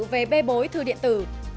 về bê bối thư điện tử